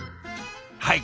はい。